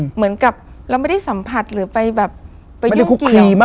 เหมือนกับเราไม่ได้สัมผัสหรือไปแบบไปยุ่งเกี่ยว